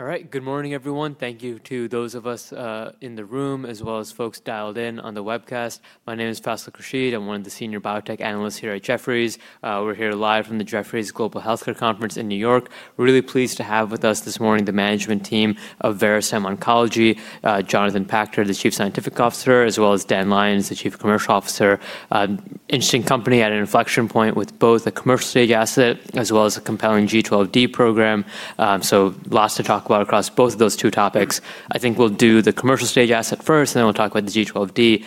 All right. Good morning, everyone. Thank you to those of us in the room, as well as folks dialed in on the webcast. My name is Faisal Krishnath. I'm one of the senior biotech analysts here at Jefferies. We're here live from the Jefferies Global Healthcare Conference in New York. We're really pleased to have with us this morning the management team of Verastem Oncology, Jonathan Pachter, the Chief Scientific Officer, as well as Daniel Lyons, the Chief Commercial Officer. Interesting company at an inflection point with both a commercial-stage asset as well as a compelling G12D program. Lots to talk about across both of those two topics. I think we'll do the commercial-stage asset first, and then we'll talk about the G12D.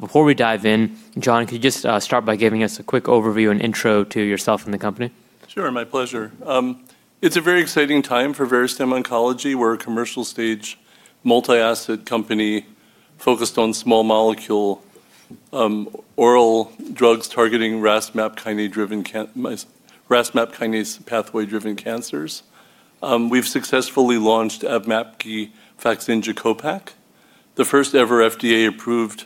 Before we dive in, John, could you just start by giving us a quick overview and intro to yourself and the company? Sure, my pleasure. It's a very exciting time for Verastem Oncology. We're a commercial-stage multi-asset company focused on small molecule oral drugs targeting RAS/MAPK pathway-driven cancers. We've successfully launched AVMAPKI FAKZYNJA CO-PACK, the first ever FDA-approved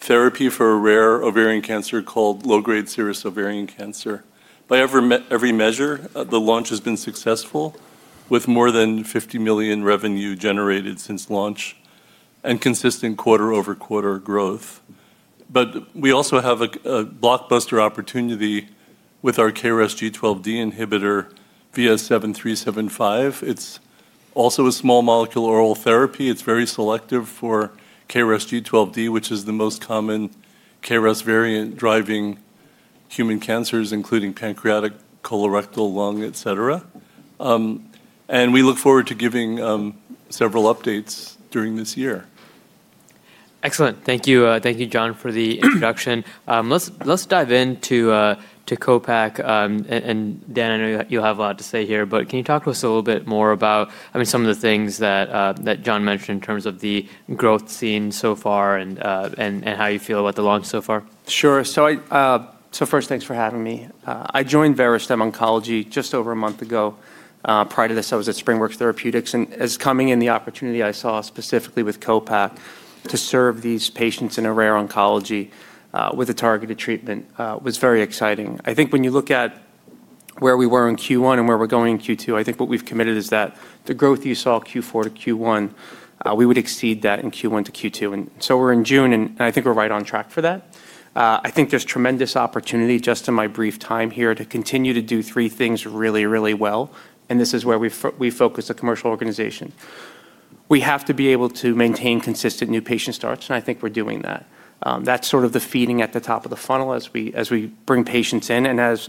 therapy for a rare ovarian cancer called low-grade serous ovarian cancer. By every measure, the launch has been successful, with more than $50 million revenue generated since launch and consistent quarter-over-quarter growth. We also have a blockbuster opportunity with our KRAS G12D inhibitor, VS-7375. It's also a small molecule oral therapy. It's very selective for KRAS G12D, which is the most common KRAS variant driving human cancers, including pancreatic, colorectal, lung, et cetera. We look forward to giving several updates during this year. Excellent. Thank you. Thank you, John, for the introduction. Let's dive into CO-PACK, and Dan, I know you'll have a lot to say here, but can you talk to us a little bit more about some of the things that John mentioned in terms of the growth seen so far and how you feel about the launch so far? Sure. First, thanks for having me. I joined Verastem Oncology just over a month ago. Prior to this, I was at SpringWorks Therapeutics, as coming in the opportunity I saw specifically with COPAK to serve these patients in a rare oncology with a targeted treatment was very exciting. I think when you look at where we were in Q1 and where we're going in Q2, I think what we've committed is that the growth you saw Q4 - Q1, we would exceed that in Q1 - Q2. We're in June, I think we're right on track for that. I think there's tremendous opportunity, just in my brief time here, to continue to do three things really, really well, this is where we focus the commercial organization. We have to be able to maintain consistent new patient starts, I think we're doing that. That's sort of the feeding at the top of the funnel as we bring patients in and as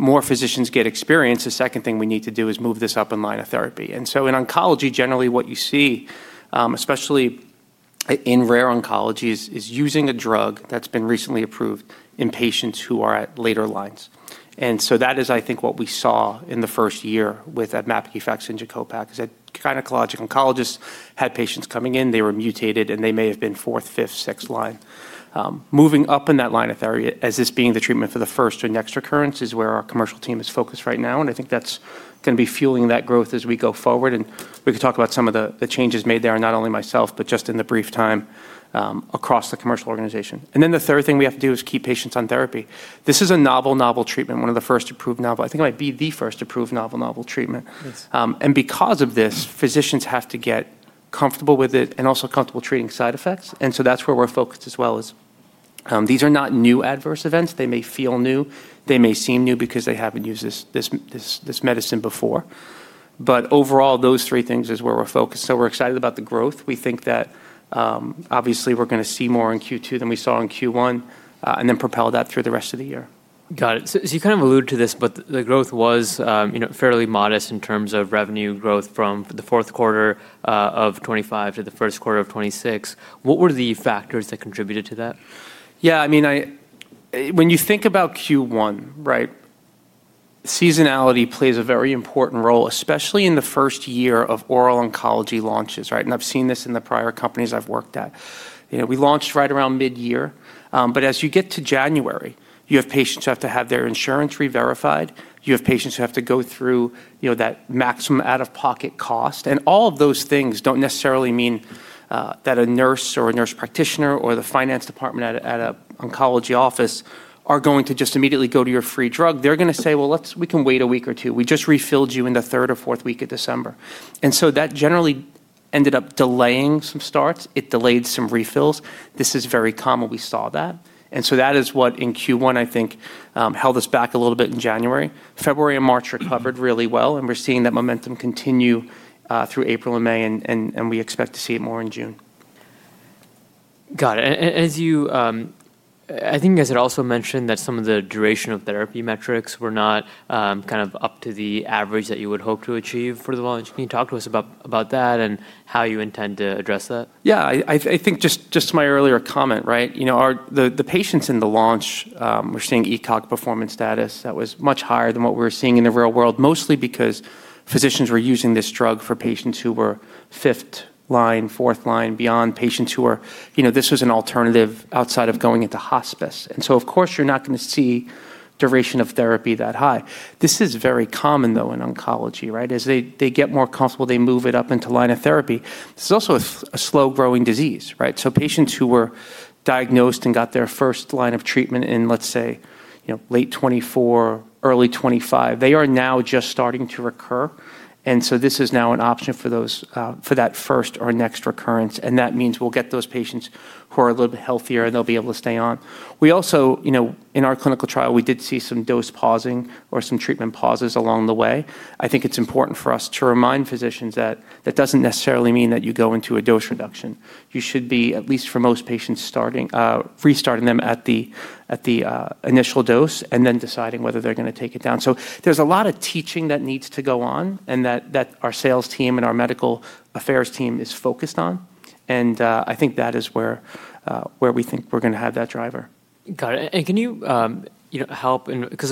more physicians get experience, the second thing we need to do is move this up in line of therapy. In oncology, generally what you see, especially in rare oncology, is using a drug that's been recently approved in patients who are at later lines. That is, I think, what we saw in the first year with AVMAPKI FAKZYNJA CO-PACK, is that gynecologic oncologists had patients coming in, they were mutated, and they may have been fourth, fifth, sixth line. Moving up in that line of therapy as this being the treatment for the first or next occurrence is where our commercial team is focused right now, and I think that's going to be fueling that growth as we go forward, and we can talk about some of the changes made there, not only myself, but just in the brief time across the commercial organization. The third thing we have to do is keep patients on therapy. This is a novel treatment, one of the first approved novel. I think it might be the first approved novel treatment. Yes. Because of this, physicians have to get comfortable with it and also comfortable treating side effects. That's where we're focused as well. These are not new adverse events. They may feel new. They may seem new because they haven't used this medicine before. Overall, those three things are where we're focused. We're excited about the growth. We think that obviously we're going to see more in Q2 than we saw in Q1 and then propel that through the rest of the year. Got it. You kind of alluded to this, but the growth was fairly modest in terms of revenue growth from the fourth quarter of 2025 to the first quarter of 2026. What were the factors that contributed to that? Yeah. When you think about Q1, seasonality plays a very important role, especially in the first year of oral oncology launches, right? I've seen this in the prior companies I've worked at. We launched right around mid-year, as you get to January, you have patients who have to have their insurance reverified. You have patients who have to go through that maximum out-of-pocket cost. All of those things don't necessarily mean that a nurse or a nurse practitioner or the finance department at an oncology office are going to just immediately go to your free drug. They're going to say, "Well, we can wait a week or two. We just refilled you in the third or fourth week of December." That generally ended up delaying some starts. It delayed some refills. This is very common. We saw that. That is what in Q1, I think, held us back a little bit in January. February and March recovered really well, and we're seeing that momentum continue through April and May, and we expect to see it more in June. Got it. I think as it also mentioned that some of the duration of therapy metrics were not up to the average that you would hope to achieve for the launch. Can you talk to us about that and how you intend to address that? Yeah. I think just to my earlier comment, the patients in the launch were seeing ECOG performance status that was much higher than what we were seeing in the real world, mostly because physicians were using this drug for patients who were fifth line, fourth line, beyond. This was an alternative outside of going into hospice. Of course, you're not going to see duration of therapy that high. This is very common, though, in oncology. As they get more comfortable, they move it up into line of therapy. This is also a slow-growing disease. Patients who were diagnosed and got their first line of treatment in, let's say, late 2024, early 2025, they are now just starting to recur. This is now an option for that first or next recurrence, and that means we'll get those patients who are a little bit healthier, and they'll be able to stay on. We also, in our clinical trial, we did see some dose pausing or some treatment pauses along the way. I think it's important for us to remind physicians that that doesn't necessarily mean that you go into a dose reduction. You should be, at least for most patients, restarting them at the initial dose and then deciding whether they're going to take it down. There's a lot of teaching that needs to go on and that our sales team and our medical affairs team is focused on, and I think that is where we think we're going to have that driver. Got it.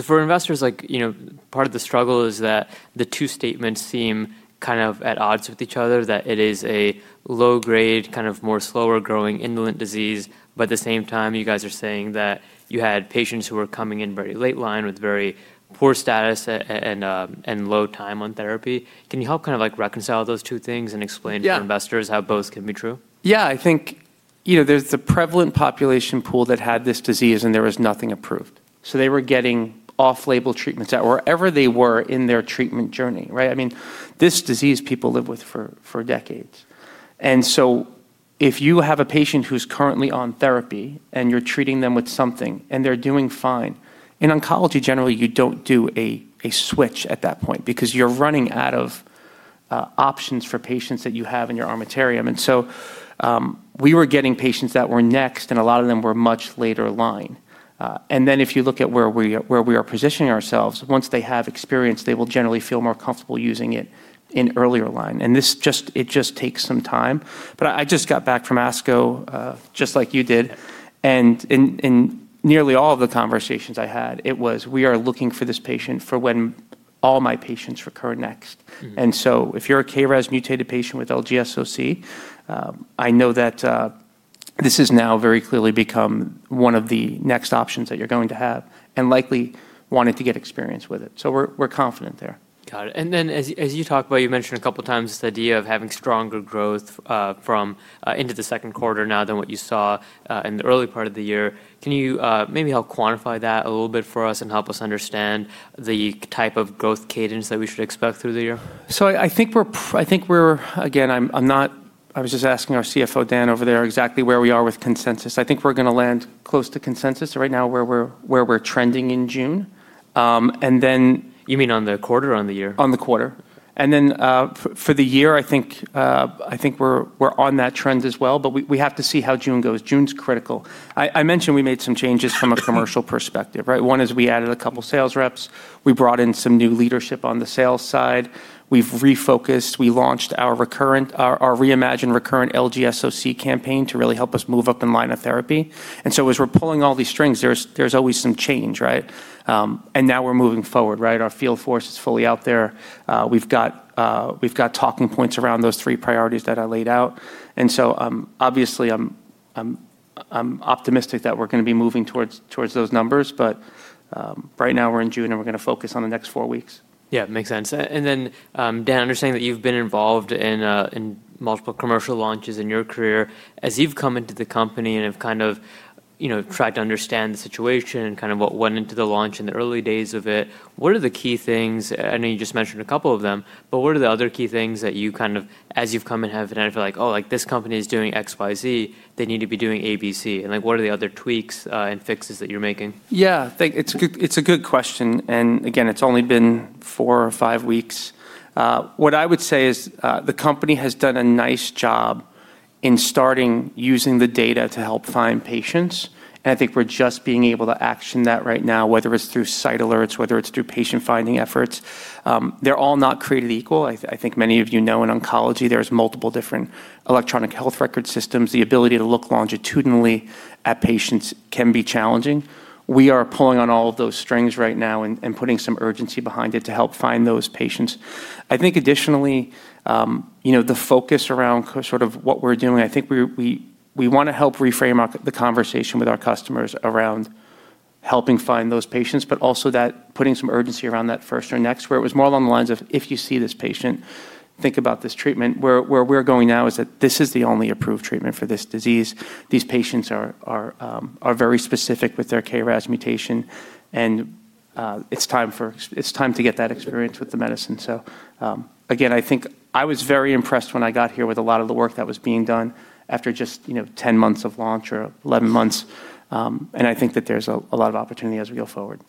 For investors, part of the struggle is that the two statements seem at odds with each other, that it is a low grade, more slower growing indolent disease, but at the same time, you guys are saying that you had patients who were coming in very late line with very poor status and low time on therapy. Can you help reconcile those two things and explain? Yeah to investors how both can be true? I think there's the prevalent population pool that had this disease, and there was nothing approved. They were getting off-label treatments wherever they were in their treatment journey. This disease people live with for decades. If you have a patient who's currently on therapy and you're treating them with something and they're doing fine, in oncology, generally, you don't do a switch at that point because you're running out of options for patients that you have in your armamentarium. We were getting patients that were next, and a lot of them were much later line. If you look at where we are positioning ourselves, once they have experience, they will generally feel more comfortable using it in earlier line. It just takes some time. I just got back from ASCO, just like you did, and in nearly all of the conversations I had, it was, "We are looking for this patient for when all my patients recur next. If you're a KRAS-mutated patient with LGSOC, I know that this has now very clearly become one of the next options that you're going to have and likely wanting to get experience with it. We're confident there. Got it. As you talked about, you mentioned a couple of times this idea of having stronger growth into the second quarter now than what you saw in the early part of the year. Can you maybe help quantify that a little bit for us and help us understand the type of growth cadence that we should expect through the year? Again, I was just asking our CFO, Dan, over there exactly where we are with consensus. I think we're going to land close to consensus right now, where we're trending in June. You mean on the quarter or on the year? On the quarter. Then for the year, I think we're on that trend as well, but we have to see how June goes. June's critical. I mentioned we made some changes from a commercial perspective. One is we added a couple sales reps. We brought in some new leadership on the sales side. We've refocused. We launched our reimagined recurrent LGSOC campaign to really help us move up in line of therapy. As we're pulling all these strings, there's always some change. Now we're moving forward. Our field force is fully out there. We've got talking points around those three priorities that I laid out. Obviously I'm optimistic that we're going to be moving towards those numbers, but right now we're in June, and we're going to focus on the next four weeks. Yeah, makes sense. Dan, understanding that you've been involved in multiple commercial launches in your career, as you've come into the company and have tried to understand the situation and what went into the launch in the early days of it, what are the key things, I know you just mentioned a couple of them, but what are the other key things that as you've come in have been able to feel like, "Oh, this company is doing XYZ. They need to be doing ABC." What are the other tweaks and fixes that you're making? Yeah. It's a good question, and again, it's only been four or five weeks. What I would say is the company has done a nice job in starting using the data to help find patients, and I think we're just being able to action that right now, whether it's through site alerts, whether it's through patient-finding efforts. They're all not created equal. I think many of you know in oncology, there is multiple different electronic health record systems. The ability to look longitudinally at patients can be challenging. We are pulling on all of those strings right now and putting some urgency behind it to help find those patients. I think additionally, the focus around what we're doing, I think we want to help reframe the conversation with our customers around helping find those patients, but also that putting some urgency around that first or next, where it was more along the lines of, if you see this patient, think about this treatment. Where we're going now is that this is the only approved treatment for this disease. These patients are very specific with their KRAS mutation. It's time to get that experience with the medicine. Again, I think I was very impressed when I got here with a lot of the work that was being done after just 10 months of launch or 11 months. I think that there's a lot of opportunity as we go forward.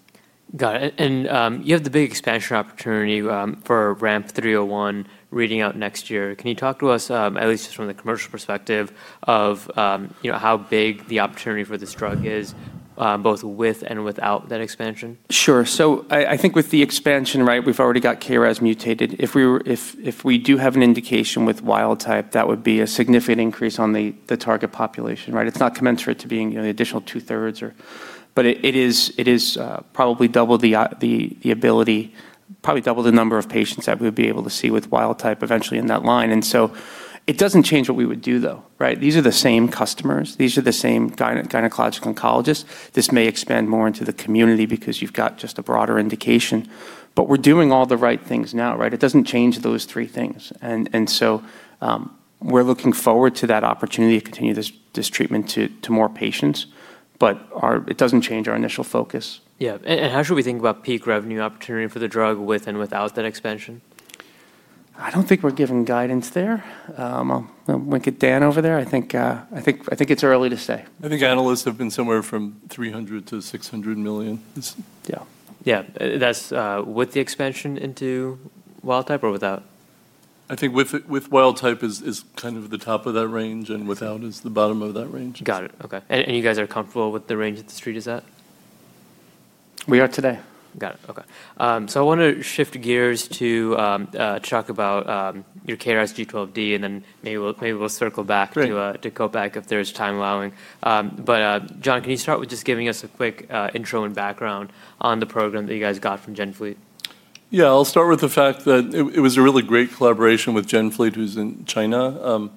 Got it. You have the big expansion opportunity for RAMP 301 reading out next year. Can you talk to us, at least just from the commercial perspective of how big the opportunity for this drug is, both with and without that expansion? Sure. I think with the expansion, we've already got KRAS mutated. If we do have an indication with wild type, that would be a significant increase on the target population. It's not commensurate to being the additional two-thirds, but it is probably double the ability, probably double the number of patients that we would be able to see with wild type eventually in that line. It doesn't change what we would do, though. These are the same customers. These are the same gynecological oncologists. This may expand more into the community because you've got just a broader indication. We're doing all the right things now. It doesn't change those three things. We're looking forward to that opportunity to continue this treatment to more patients, but it doesn't change our initial focus. Yeah. How should we think about peak revenue opportunity for the drug with and without that expansion? I don't think we're giving guidance there. I'll wink at Dan over there. I think it's early to say. I think analysts have been somewhere from $300 million-$600 million. Yeah. Yeah. That's with the expansion into wild type or without? I think with wild type is kind of the top of that range, and without is the bottom of that range. Got it. Okay. You guys are comfortable with the range that the Street is at? We are today. Got it. Okay. I want to shift gears to talk about your KRAS G12D. Great to co-pack if there's time allowing. John, can you start with just giving us a quick intro and background on the program that you guys got from GenFleet? Yeah, I'll start with the fact that it was a really great collaboration with GenFleet, who's in China.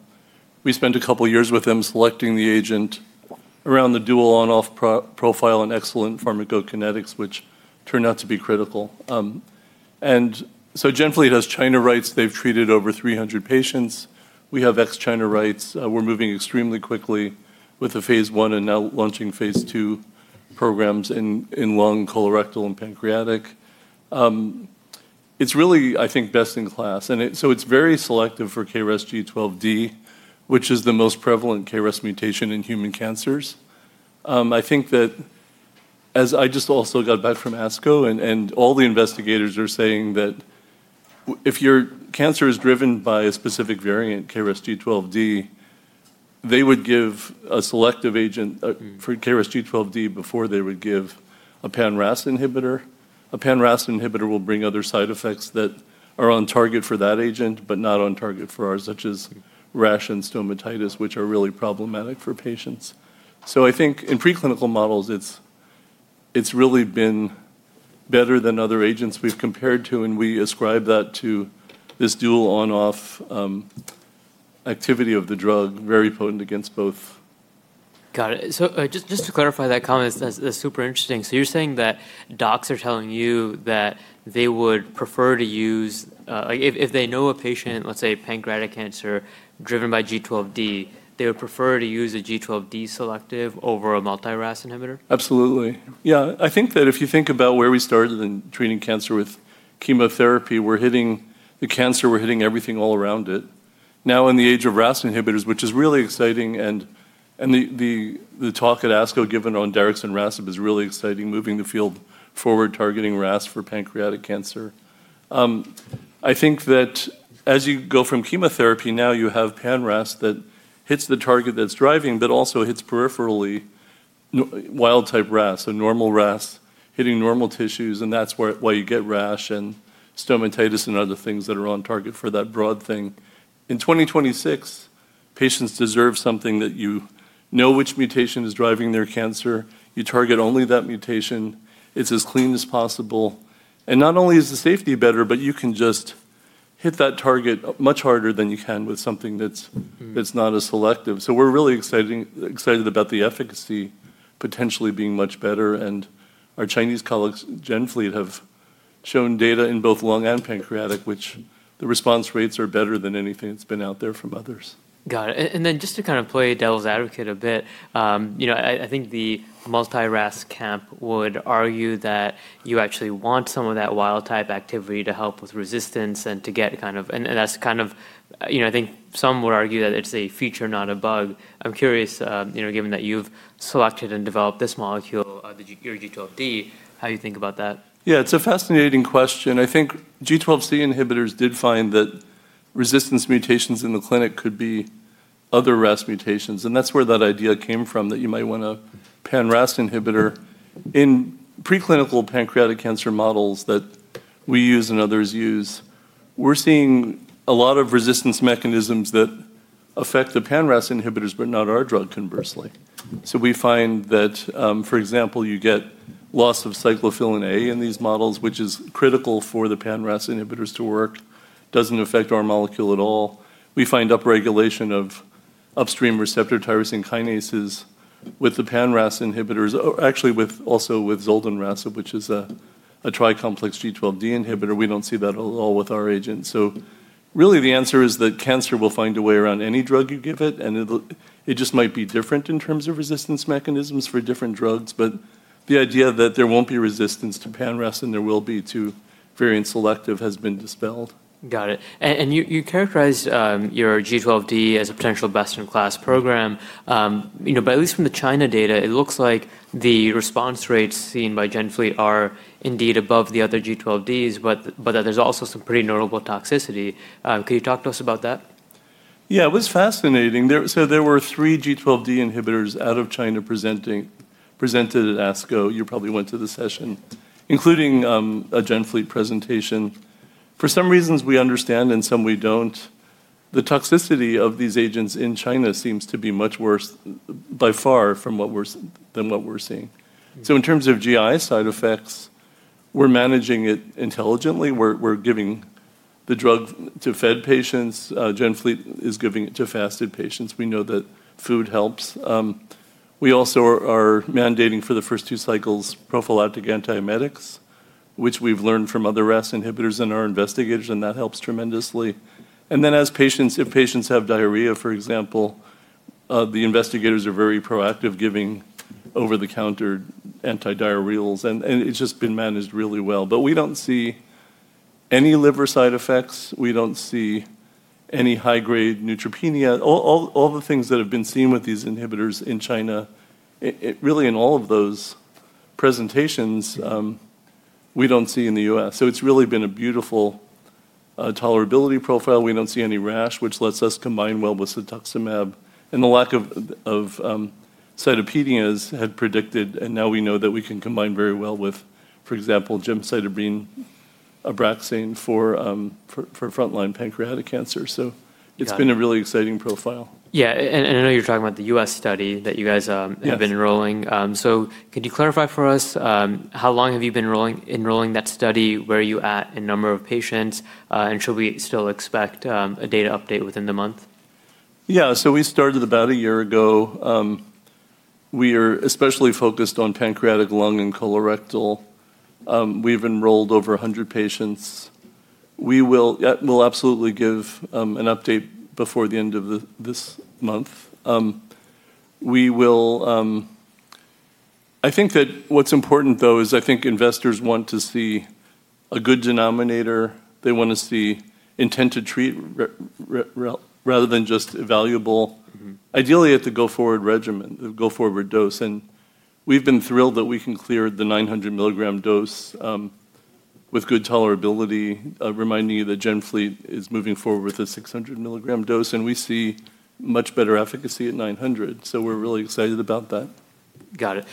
We spent a couple of years with them selecting the agent around the dual on/off profile and excellent pharmacokinetics, which turned out to be critical. GenFleet has China rights. They've treated over 300 patients. We have ex-China rights. We're moving extremely quickly with the phase I and now launching phase II programs in lung, colorectal, and pancreatic. It's really, I think, best in class. It's very selective for KRAS G12D, which is the most prevalent KRAS mutation in human cancers. I think that as I just also got back from ASCO, and all the investigators are saying that if your cancer is driven by a specific variant, KRAS G12D, they would give a selective agent for KRAS G12D before they would give a pan-RAS inhibitor. A pan-RAS inhibitor will bring other side effects that are on target for that agent but not on target for ours, such as rash and stomatitis, which are really problematic for patients. I think in preclinical models, it's really been better than other agents we've compared to, and we ascribe that to this dual on/off activity of the drug, very potent against both. Got it. Just to clarify that comment, that's super interesting. You're saying that docs are telling you that they would prefer to use If they know a patient, let's say, pancreatic cancer driven by G12D, they would prefer to use a G12D selective over a multi-RAS inhibitor? Absolutely. Yeah. I think that if you think about where we started in treating cancer with chemotherapy, we're hitting the cancer, we're hitting everything all around it. Now in the age of RAS inhibitors, which is really exciting, and the talk at ASCO given on trastuzumab deruxtecan is really exciting, moving the field forward, targeting RAS for pancreatic cancer. I think that as you go from chemotherapy, now you have pan-RAS that hits the target that's driving but also hits peripherally wild-type RAS, so normal RAS, hitting normal tissues, and that's why you get rash and stomatitis and other things that are on target for that broad thing. In 2026, patients deserve something that you know which mutation is driving their cancer. You target only that mutation. It's as clean as possible. Not only is the safety better, but you can just hit that target much harder than you can with something that's not as selective. We're really excited about the efficacy potentially being much better. Our Chinese colleagues, GenFleet, have shown data in both lung and pancreatic, which the response rates are better than anything that's been out there from others. Got it. Just to kind of play devil's advocate a bit, I think the multi-RAS camp would argue that you actually want some of that wild-type activity to help with resistance. That's kind of, I think some would argue that it's a feature, not a bug. I'm curious, given that you've selected and developed this molecule, your G12D, how you think about that. Yeah, it's a fascinating question. I think G12C inhibitors did find that resistance mutations in the clinic could be other RAS mutations, and that's where that idea came from, that you might want a pan-RAS inhibitor. In preclinical pancreatic cancer models that we use and others use, we're seeing a lot of resistance mechanisms that affect the pan-RAS inhibitors, but not our drug, conversely. We find that, for example, you get loss of cyclophilin A in these models, which is critical for the pan-RAS inhibitors to work. Doesn't affect our molecule at all. We find upregulation of upstream receptor tyrosine kinases with the pan-RAS inhibitors, or actually also with zoldanrasib, which is a tri-complex G12D inhibitor. We don't see that at all with our agent. Really the answer is that cancer will find a way around any drug you give it, and it just might be different in terms of resistance mechanisms for different drugs. The idea that there won't be resistance to pan-RAS and there will be to variant selective has been dispelled. Got it. You characterized your G12D as a potential best-in-class program. At least from the China data, it looks like the response rates seen by GenFleet are indeed above the other G12Ds, but that there's also some pretty notable toxicity. Can you talk to us about that? Yeah. It was fascinating. There were 3 G12D inhibitors out of China presented at ASCO, you probably went to the session, including a GenFleet presentation. For some reasons we understand and some we don't, the toxicity of these agents in China seems to be much worse by far than what we're seeing. In terms of GI side effects, we're managing it intelligently. We're giving the drug to fed patients. GenFleet is giving it to fasted patients. We know that food helps. We also are mandating for the first two cycles prophylactic antiemetics, which we've learned from other RAS inhibitors in our investigation. That helps tremendously. If patients have diarrhea, for example, the investigators are very proactive, giving over-the-counter antidiarrheals, and it's just been managed really well. We don't see any liver side effects. We don't see any high-grade neutropenia. All the things that have been seen with these inhibitors in China, really in all of those presentations, we don't see in the U.S. It's really been a beautiful tolerability profile. We don't see any rash, which lets us combine well with cetuximab, and the lack of cytopenias had predicted, and now we know that we can combine very well with, for example, gemcitabine Abraxane for frontline pancreatic cancer. It's been a really exciting profile. Yeah, I know you're talking about the U.S. study that you guys. Yes have been enrolling. Can you clarify for us, how long have you been enrolling that study? Where are you at in number of patients? Should we still expect a data update within the month? Yeah. We started about a year ago. We are especially focused on pancreatic, lung, and colorectal. We've enrolled over 100 patients. We will absolutely give an update before the end of this month. I think that what's important, though, is I think investors want to see a good denominator. They want to see intent to treat rather than just evaluable. Ideally, at the go-forward regimen, the go-forward dose, and we've been thrilled that we can clear the 900-mg dose with good tolerability. Remind me that GenFleet is moving forward with a 600 mg dose, and we see much better efficacy at 900. We're really excited about that. Got it.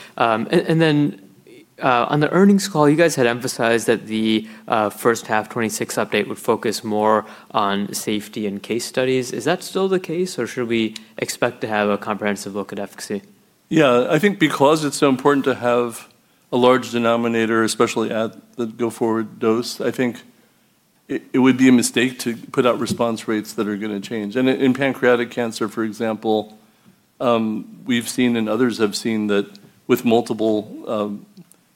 On the earnings call, you guys had emphasized that the first half 2026 update would focus more on safety and case studies. Is that still the case, or should we expect to have a comprehensive look at efficacy? Yeah. I think because it's so important to have a large denominator, especially at the go-forward dose, I think it would be a mistake to put out response rates that are going to change. In pancreatic cancer, for example, we've seen and others have seen that with multiple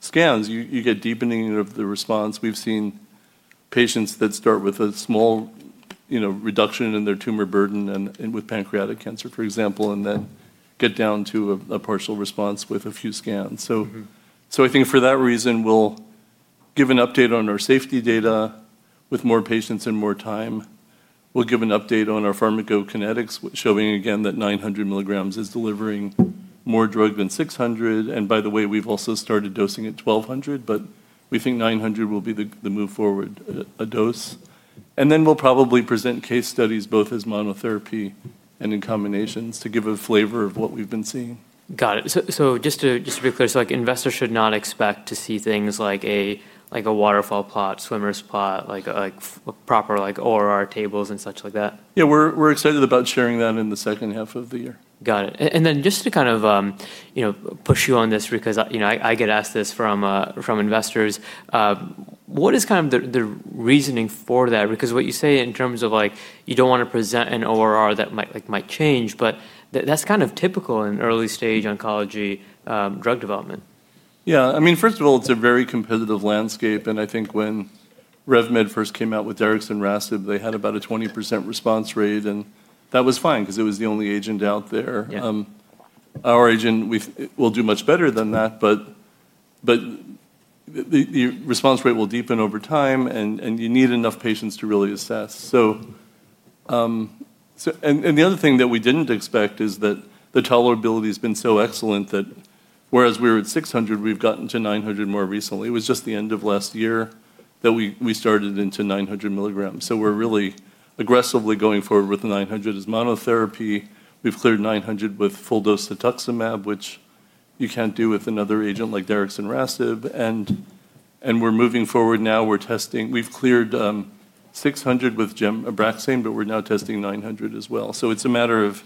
scans, you get deepening of the response. We've seen patients that start with a small reduction in their tumor burden and with pancreatic cancer, for example, and then get down to a partial response with a few scans. I think for that reason, we'll give an update on our safety data with more patients and more time. We'll give an update on our pharmacokinetics, showing again that 900 mg is delivering more drug than 600 mg, and by the way, we've also started dosing at 1,200 mg, but we think 900 mg will be the move forward a dose. Then we'll probably present case studies both as monotherapy and in combinations to give a flavor of what we've been seeing. Got it. Just to be clear, investors should not expect to see things like a waterfall plot, swimmers plot, proper ORR tables, and such like that? Yeah, we're excited about sharing that in the second half of the year. Got it. Just to kind of push you on this because I get asked this from investors. What is the reasoning for that? What you say in terms of you don't want to present an ORR that might change, but that's typical in early-stage oncology drug development. Yeah. First of all, it's a very competitive landscape, and I think when RevMed first came out with erdafitinib they had about a 20% response rate, and that was fine because it was the only agent out there. Yeah. Our agent will do much better than that, but the response rate will deepen over time, and you need enough patients to really assess. The other thing that we didn't expect is that the tolerability has been so excellent that whereas we were at 600, we've gotten to 900 more recently. It was just the end of last year that we started into 900 mgs. We're really aggressively going forward with the 900 as monotherapy. We've cleared 900 with full-dose cetuximab, which you can't do with another agent like erdafitinib, and we're moving forward now. We've cleared 600 with gem Abraxane, but we're now testing 900 as well. It's a matter of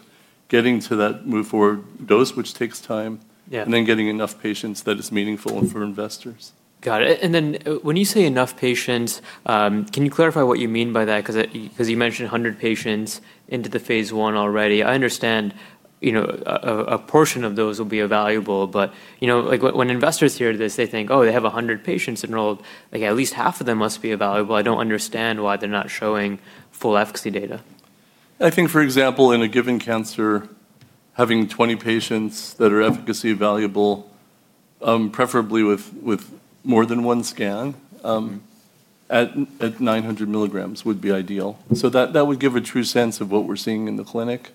getting to that move-forward dose, which takes time. Yeah Getting enough patients that it's meaningful for investors. Got it. When you say enough patients, can you clarify what you mean by that? You mentioned 100 patients into the phase I already. I understand a portion of those will be evaluable, but when investors hear this, they think, "Oh, they have 100 patients enrolled. At least half of them must be evaluable. I don't understand why they're not showing full efficacy data. I think, for example, in a given cancer, having 20 patients that are efficacy valuable, preferably with more than one scan, at 900 mgs would be ideal. That would give a true sense of what we're seeing in the clinic.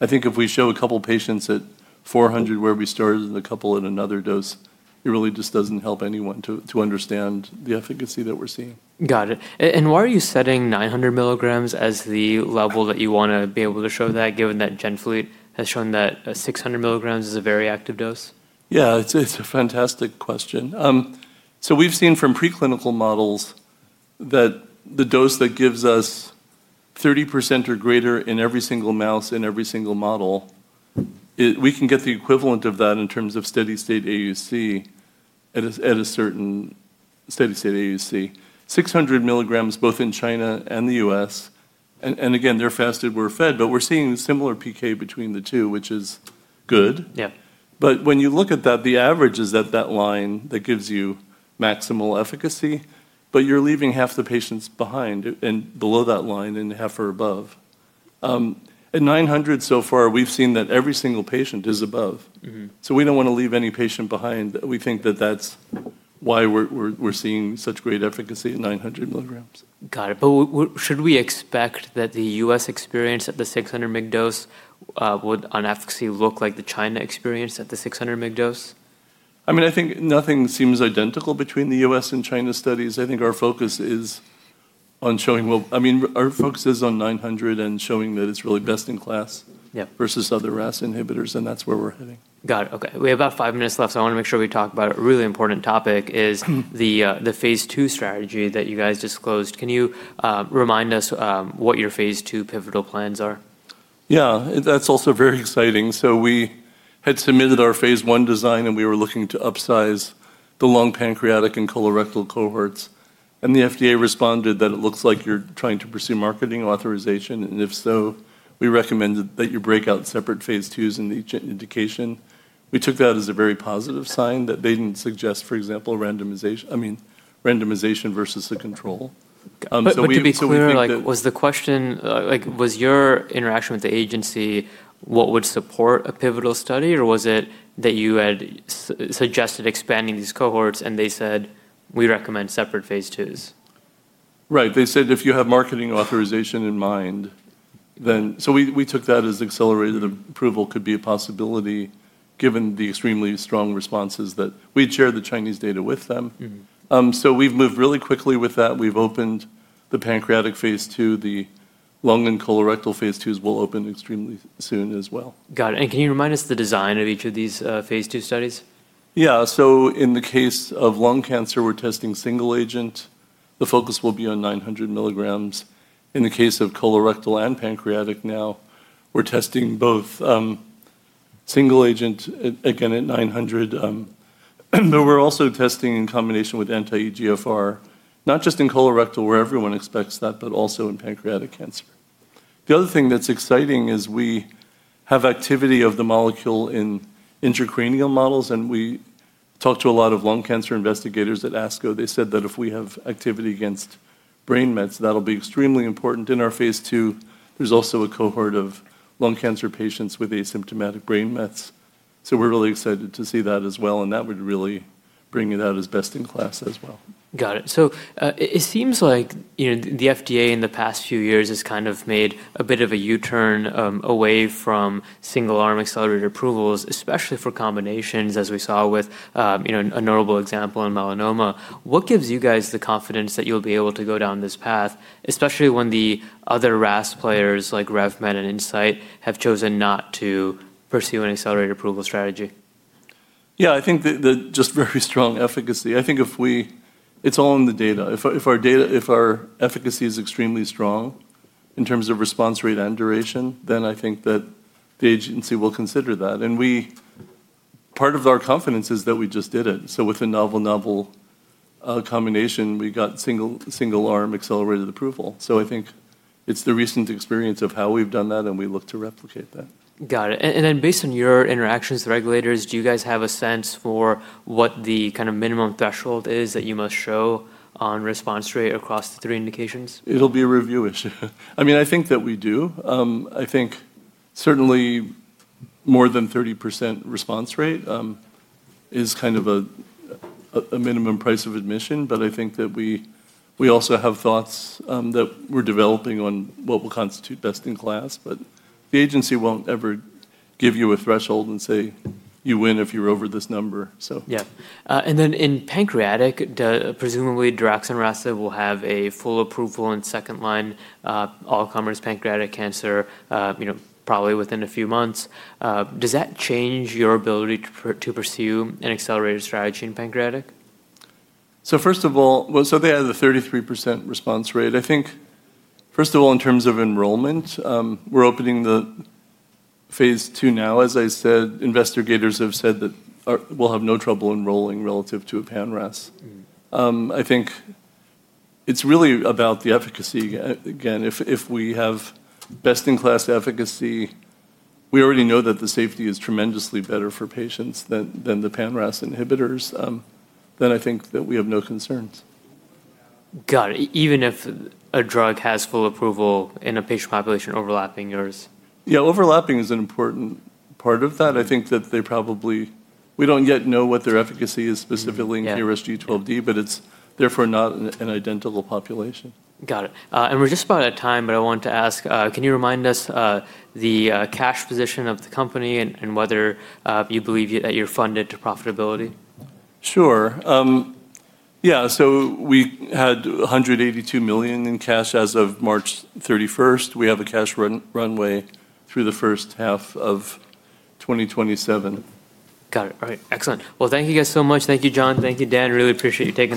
I think if we show a couple patients at 400 where we started and a couple at another dose, it really just doesn't help anyone to understand the efficacy that we're seeing. Got it. Why are you setting 900 mgs as the level that you want to be able to show that, given that GenFleet has shown that 600 mgs is a very active dose? Yeah, it's a fantastic question. We've seen from pre-clinical models that the dose that gives us 30% or greater in every single mouse in every single model, we can get the equivalent of that in terms of steady state AUC at a certain steady state AUC. 600 mgs, both in China and the U.S., and again, they're fasted, we're fed, but we're seeing similar PK between the two, which is good. Yeah. When you look at that, the average is at that line that gives you maximal efficacy, but you're leaving half the patients behind and below that line and half are above. At 900 so far, we've seen that every single patient is above. We don't want to leave any patient behind. We think that that's why we're seeing such great efficacy at 900 mgs. Got it. Should we expect that the U.S. experience at the 600 mg dose would on efficacy look like the China experience at the 600 mg dose? I think nothing seems identical between the U.S. and China studies. Our focus is on 900 and showing that it's really best in class. Yeah versus other RAS inhibitors, and that's where we're heading. Got it. Okay. We have about five minutes left. I want to make sure we talk about a really important topic, is the phase II strategy that you guys disclosed. Can you remind us what your phase II pivotal plans are? Yeah. That's also very exciting. We had submitted our phase I design, we were looking to upsize the lung, pancreatic, and colorectal cohorts, the FDA responded that it looks like you're trying to pursue marketing authorization, and if so, we recommend that you break out separate phase IIs in each indication. We took that as a very positive sign that they didn't suggest, for example, randomization versus a control. To be clear, was your interaction with the FDA what would support a pivotal study, or was it that you had suggested expanding these cohorts and they said, "We recommend separate phase IIs? Right. They said, "If you have marketing authorization in mind, then" We took that as Accelerated Approval could be a possibility given the extremely strong responses that we'd shared the Chinese data with them. We've moved really quickly with that. We've opened the pancreatic phase II. The lung and colorectal phase IIs will open extremely soon as well. Got it. Can you remind us the design of each of these phase II studies? Yeah. In the case of lung cancer, we're testing single agent. The focus will be on 900 mgs. In the case of colorectal and pancreatic, now we're testing both single agent, again at 900, we're also testing in combination with anti-EGFR, not just in colorectal, where everyone expects that, also in pancreatic cancer. The other thing that's exciting is we have activity of the molecule in intracranial models, we talked to a lot of lung cancer investigators at ASCO. They said that if we have activity against brain mets, that'll be extremely important. In our phase II, there's also a cohort of lung cancer patients with asymptomatic brain mets. We're really excited to see that as well, that would really bring it out as best in class as well. Got it. It seems like the FDA in the past few years has made a bit of a U-turn, away from single-arm Accelerated Approvals, especially for combinations, as we saw with a notable example in melanoma. What gives you guys the confidence that you'll be able to go down this path, especially when the other RAS players like RevMed and Incyte have chosen not to pursue an Accelerated Approval strategy? Yeah, I think that just very strong efficacy. It's all in the data. If our efficacy is extremely strong in terms of response rate and duration, then I think that the agency will consider that. Part of our confidence is that we just did it. With a novel combination, we got single-arm Accelerated Approval. I think it's the recent experience of how we've done that, and we look to replicate that. Got it. Based on your interactions with regulators, do you guys have a sense for what the minimum threshold is that you must show on response rate across the three indications? It'll be a review issue. I think that we do. I think certainly more than 30% response rate is a minimum price of admission, I think that we also have thoughts that we're developing on what will constitute best in class. The agency won't ever give you a threshold and say, "You win if you're over this number. Yeah. In pancreatic, presumably daraxonrasib will have a full approval in second-line all comers pancreatic cancer probably within a few months. Does that change your ability to pursue an accelerated strategy in pancreatic? First of all, so they had the 33% response rate. I think first of all, in terms of enrollment, we're opening the phase II now. As I said, investigators have said that we'll have no trouble enrolling relative to a pan-RAS. I think it's really about the efficacy, again. If we have best in class efficacy, we already know that the safety is tremendously better for patients than the pan-RAS inhibitors, then I think that we have no concerns. Got it. Even if a drug has full approval in a patient population overlapping yours? Yeah, overlapping is an important part of that. I think that we don't yet know what their efficacy is specifically. Yeah in KRAS G12D, but it's therefore not an identical population. Got it. We're just about at time, but I wanted to ask, can you remind us the cash position of the company and whether you believe that you're funded to profitability? Sure. Yeah. We had $182 million in cash as of March 31st. We have a cash runway through the first half of 2027. Got it. All right. Excellent. Thank you guys so much. Thank you, John. Thank you, Dan. Really appreciate you taking the time.